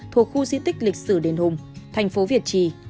thuộc khu di tích lịch sử đền hùng thành phố việt trì